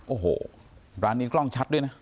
โอ้โหร้านนี้กล้องชัดด้วยนะ